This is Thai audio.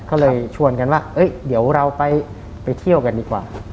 ก็เลยชวนกันว่าเดี๋ยวเราไปเที่ยวกันดีกว่า